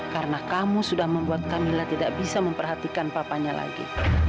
karena kamu sudah membuat camilla tidak bisa memperhatikan papanya lagi